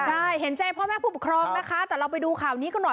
ใช่เห็นใจพ่อแม่ผู้ปกครองนะคะแต่เราไปดูข่าวนี้กันหน่อย